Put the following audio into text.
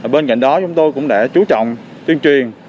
bên cạnh đó chúng tôi cũng đã chú trọng tuyên truyền